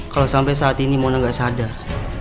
kalau sampai saat ini mona nggak sadar